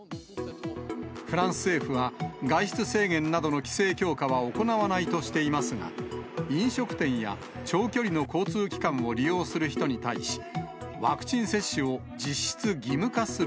フランス政府は、外出制限などの規制強化は行わないとしていますが、飲食店や長距離の交通機関を利用する人に対し、ワクチン接種を実質義務化する、